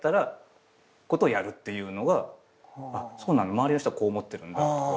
周りの人はこう思ってるんだとか。